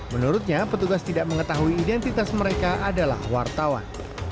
menurutnya petugas tidak mengetahui identitas mereka adalah wartawan